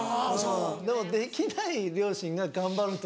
でもできない両親が頑張ると。